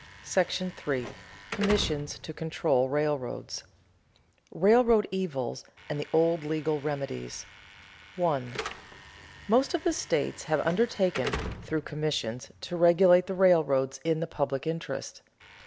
§ III. COMMISSIONS TO CONTROL RAILROADS [Sidenote: Railroad evils and the old legal remedies] 1. _Most of the states have undertaken, through commissions, to regulate the railroads in the public interest.